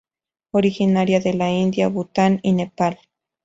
Originaria de la India, Bhutan y Nepal.